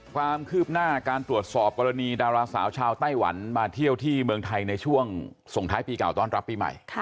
ความคืบหน้าการตรวจสอบกรณีดาราสาวชาวไต้หวันมาเที่ยวที่เมืองไทยในช่วงส่งท้ายปีเก่าต้อนรับปีใหม่